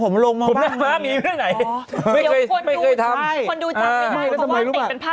มันลงมาบ้างอย่างนี้อ๋อไม่เคยทำคุณดูทำไม่ได้